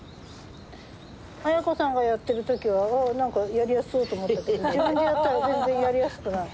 綾子さんがやってる時はああ何かやりやすそうと思ったけど自分でやったら全然やりやすくない。